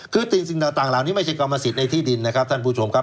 คือสิ่งต่างเหล่านี้ไม่ใช่กรรมสิทธิ์ในที่ดินนะครับท่านผู้ชมครับ